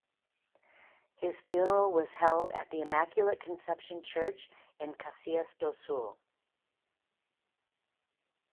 His funeral was held at the Immaculate Conception Church in Caxias do Sul.